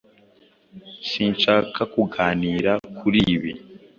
Sinshaka kuganira kuri ibi.